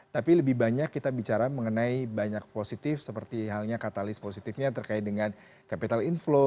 tapi lebih banyak kita bicara mengenai banyak positif seperti halnya katalis positifnya terkait dengan capital inflow